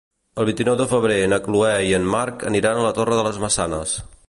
El vint-i-nou de febrer na Chloé i en Marc aniran a la Torre de les Maçanes.